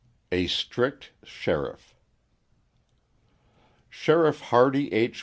A "Strict" Sheriff Sheriff Hardy H.